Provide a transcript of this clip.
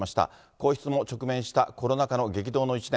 皇室も直面したコロナ禍の激動の一年。